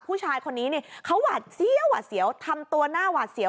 ผู้ชายคนนี้เนี่ยเขาหวาดเสียวหวาดเสียวทำตัวหน้าหวาดเสียว